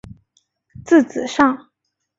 字子上。